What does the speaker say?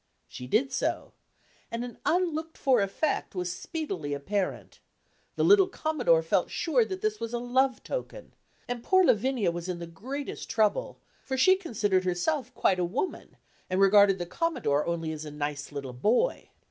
She did so, and an unlooked for effect was speedily apparent; the little Commodore felt sure that this was a love token, and poor Lavinia was in the greatest trouble, for she considered herself quite a woman, and regarded the Commodore only as a nice little boy.